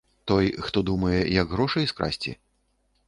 Той, хто думае, як грошай скрасці?